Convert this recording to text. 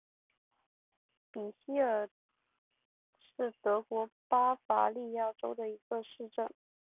比希尔是德国巴伐利亚州的一个市镇。